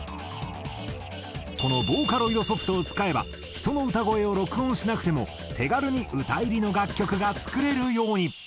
このボーカロイドソフトを使えば人の歌声を録音しなくても手軽に歌入りの楽曲が作れるように。